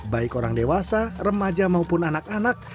baik orang dewasa remaja maupun anak anak